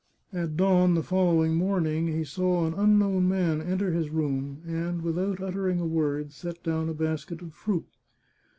At dawn the following morning he saw 401 The Chartreuse of Parma an unknown man enter his room, and, without uttering a word, set down a basket of fruit.